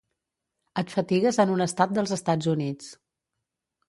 Et fatigues en un estat dels Estats Units.